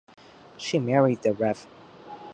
She married the Rev.